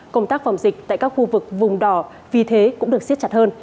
công tác phòng dịch tại các khu vực vùng đỏ vì thế cũng được xiết chặt hơn